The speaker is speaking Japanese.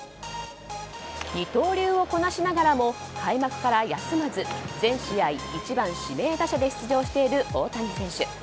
二刀流をこなしながらも開幕から休まず全試合１番指名打者で出場している大谷選手。